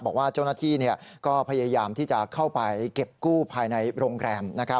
บอกว่าเจ้าหน้าที่ก็พยายามที่จะเข้าไปเก็บกู้ภายในโรงแรม